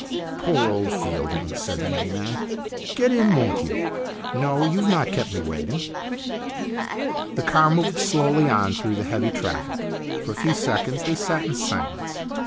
" Poor old Fielding !" said the young man. "Get in, won't you? No, you've not kept me waiting." The car moved slowly on through the heavy traffic. For a few seconds they sat in silence.